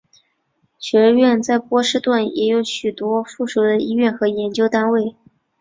学院在波士顿也有许多附属的医院和研究单位。